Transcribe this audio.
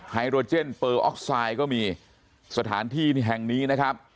ไฮโรเจนเปอร์ออกไซด์ก็มีสถานที่แห่งนี้นะครับ